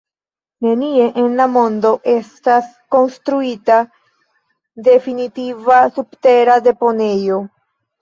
Nenie en la mondo estas konstruita definitiva subtera deponejo.